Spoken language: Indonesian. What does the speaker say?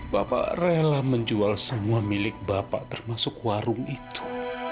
bapak rela menjual semua milik bapak termasuk warung itu